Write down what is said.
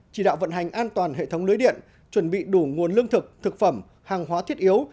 chỉ đạo vận hành an toàn hệ thống lưới điện chuẩn bị đủ nguồn lương thực thực phẩm hàng hóa thiết yếu